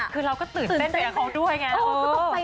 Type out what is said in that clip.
คือเราก็ตื่นเต้นไปกับเขาด้วยไง